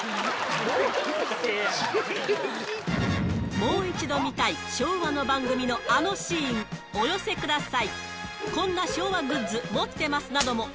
もう一度見たい、昭和の番組のあのシーン、お寄せください。